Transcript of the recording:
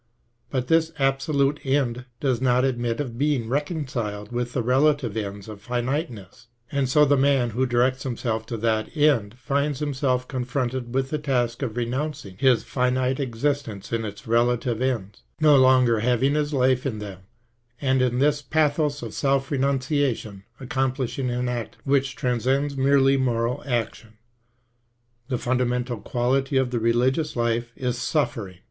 But this absolute end does not admit of being reconciled with the relative ends of finiteness, and so the man who directs him self to that end finds himself confronted with the task of renouncing his finite existence in its relative ends, no longer having his life in them, and in this pathos of self renunciation accomplishing an Act KIERKEGAARD. 211 which transcends merely moral action. The fundamental quality of the religious life is suffering.